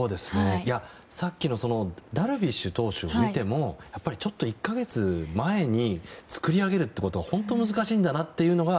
さっきのダルビッシュ投手を見ても１か月前に作り上げるということは本当に難しいんだなっていうのが。